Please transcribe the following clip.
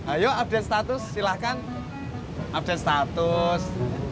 ayo update status silahkan update status